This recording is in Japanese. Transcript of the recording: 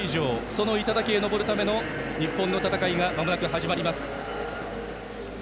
その頂へ上るための日本の戦いがまもなく始まります。